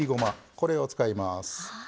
これを使います。